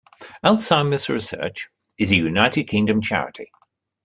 Alzheimer's Research is a United Kingdom charity.